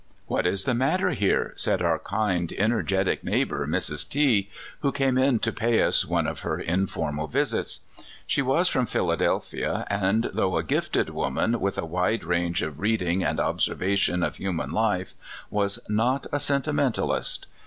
What is the matter here?" said our kind, energetic neighbor, Mrs. T , who came in to pay us one of her informal visits. She was from Philadelphia, and, though a gifted woman, with a wide range of reading and observation of human life, was not a sentimentalist.